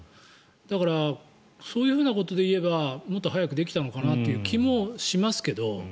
だから、そういうことで言えばもっと早くできたのかなという気もしますけど。